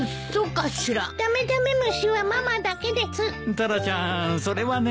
タラちゃんそれはね。